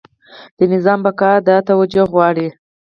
د نظام بقا دا توجیه غواړي.